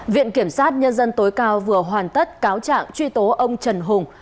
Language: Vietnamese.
viện kiểm sát nhân dân tối cao vừa hoàn tất cáo trạng truy tố ông trần hùng